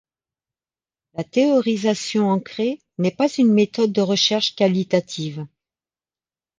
La théorisation ancrée n’est pas une méthode de recherche qualitative.